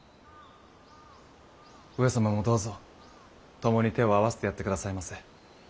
上様もどうぞ共に手を合わせてやって下さいませ。